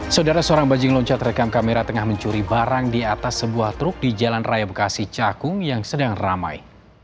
saudara seorang bajing loncat rekam kamera tengah mencuri barang di atas sebuah truk di jalan raya bekasi cakung yang sedang ramai